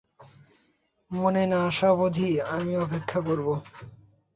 মনে না আসা অবধি, আমি অপেক্ষা করবো।